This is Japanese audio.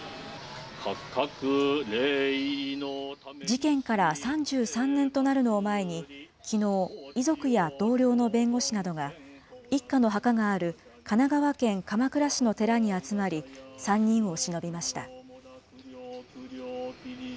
事件から３３年となるのを前に、きのう、遺族や同僚の弁護士などが、一家の墓がある神奈川県鎌倉市の寺に集まり、３人をしのびました。